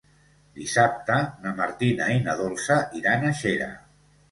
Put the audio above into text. Dissabte na Martina i na Dolça iran a Xera.